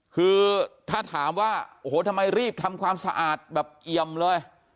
คือถ้าถามว่าโอ้โหทำไมรีบทำความสะอาดแบบเอี่ยมเลย